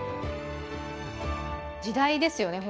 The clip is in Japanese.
時代ですよね